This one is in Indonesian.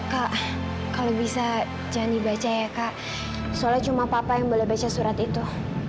kak kalau bisa janji baca ya kak soalnya cuma papa yang boleh baca surat itu